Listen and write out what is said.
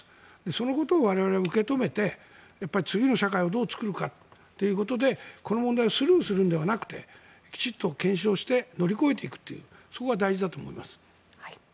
そのことを我々は受け止めて次の社会をどう作るかっていうことでこの問題をスルーするのではなくてきちんと検証して乗り越えていくというそこが大事だと思います。